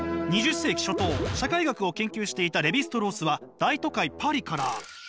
２０世紀初頭社会学を研究していたレヴィ＝ストロースは大都会パリから。